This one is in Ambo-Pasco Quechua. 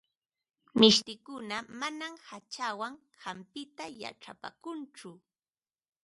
Mishtikuna manam hachawan hampita yachapaakunchu.